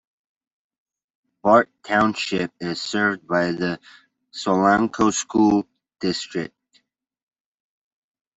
Bart Township is served by the Solanco School District.